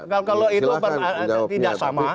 kalau itu tidak sama